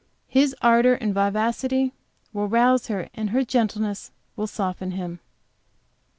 His ardor and vivacity will rouse her, and her gentleness will soften him.